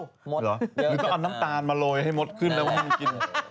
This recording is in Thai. เหรอหรือก็เอาน้ำตาลมาโรยให้มดขึ้นแล้วว่ามันกิน